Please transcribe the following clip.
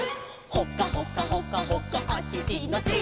「ほかほかほかほかあちちのチー」